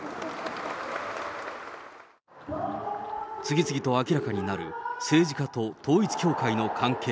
次々と明らかになる政治家と統一教会の関係。